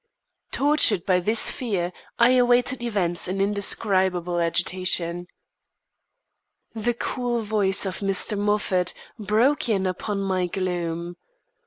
Tortured by this fear, I awaited events in indescribable agitation. The cool voice of Mr. Moffat broke in upon my gloom.